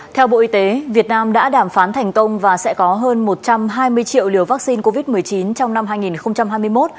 theo bộ y tế việt nam đã đàm phán thành công và sẽ có hơn một trăm hai mươi triệu liều vaccine covid một mươi chín trong năm hai nghìn hai mươi một